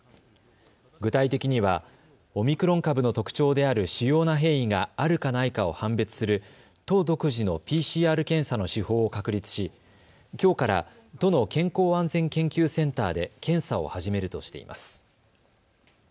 具体的にはオミクロン株の特徴である主要な変異があるかないかを判別する都独自のＰＣＲ検査の手法を確立しきょうから都の健康安全研究センターで検査を始めるとしています。